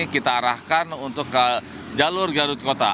kita arahkan untuk ke jalur garut kota